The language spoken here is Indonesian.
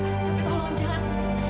tapi tolong jangan